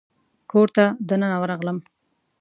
کور ته دننه ورغلم.